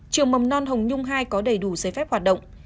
trường mầm non hồng nhung hai có đầy đủ giấy phép hoạt động